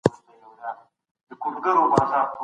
ښوونکی د زدهکوونکو استعدادونه بربنډوي.